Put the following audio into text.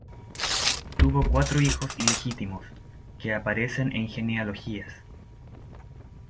Tuvo cuatro hijos ilegítimos que aparecen en genealogías.